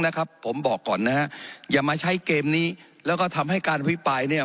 นะครับผมบอกก่อนนะฮะอย่ามาใช้เกมนี้แล้วก็ทำให้การอภิปรายเนี่ย